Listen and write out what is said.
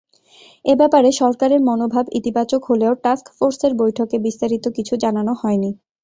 এ ব্যাপারে সরকারের মনোভাব ইতিবাচক হলেও টাস্কফোর্সের বৈঠকে বিস্তারিত কিছু জানানো হয়নি।